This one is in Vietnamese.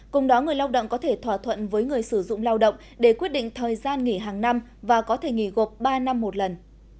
cùng đó người lao động có thể thỏa thuận với người sử dụng lao động để quyết định thời gian nghỉ hàng năm và có thể nghỉ gộp ba năm một lần